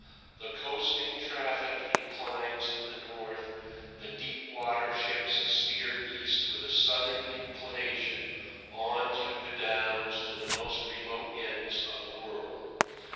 The coasting traffic inclines to the north; the deep water ships steer east with a southern inclination, on through the Downs, to the most remote ends of the world.